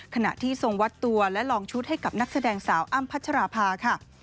ขณะที่ทรงวัดตัวและลองชุดให้กับนักแสดงสาวอ้ำพัชราภาค่ะ